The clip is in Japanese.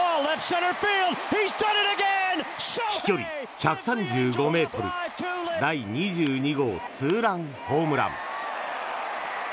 飛距離１３５ｍ第２２号ツーランホームラン。